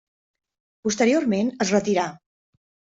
Posteriorment es retirà.